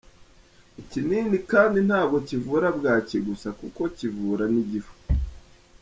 Ikinini kandi ntabwo kivura bwaki gusa kuko kivura n’igifu.